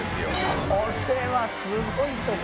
これはすごいとこ。